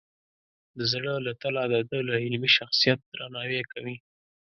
د زړه له تله د ده د علمي شخصیت درناوی کوي.